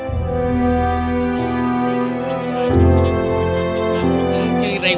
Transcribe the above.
ก็ต้องยอมรับว่ามันอัดอั้นตันใจและมันกลั้นไว้ไม่อยู่จริง